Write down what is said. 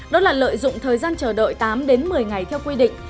đó là lợi dụng thời gian chờ đợi tám đến một mươi ngày theo quy định